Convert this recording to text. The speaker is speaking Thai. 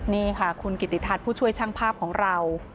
นี่ค่ะคุณกิติทัศน์ผู้ช่วยช่างภาพของเรา